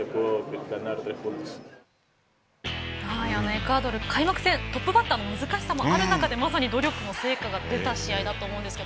エクアドル開幕戦トップバッターの難しさもある中で、まさに努力の成果が出た試合だと思いますが。